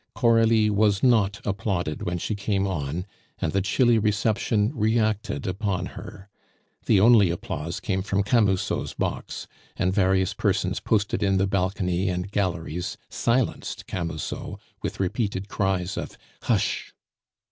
Coralie was not applauded when she came on, and the chilly reception reacted upon her. The only applause came from Camusot's box, and various persons posted in the balcony and galleries silenced Camusot with repeated cries of "Hush!"